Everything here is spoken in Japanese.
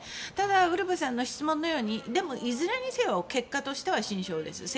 ただウルヴェさんの質問のとおりでも、いずれにせよ結果としては辛勝です。